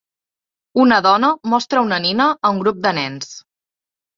Una dona mostra una nina a un grup de nens.